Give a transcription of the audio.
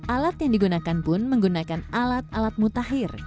alat yang digunakan pun menggunakan alat alat mutakhir